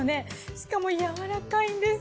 しかもやわらかいんです。